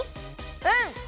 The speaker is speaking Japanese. うん。